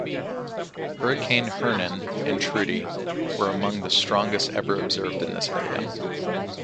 Hurricanes Hernan and Trudy were among the strongest ever observed in this area.